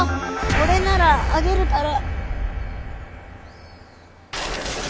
これならあげるから！